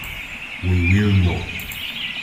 We will know.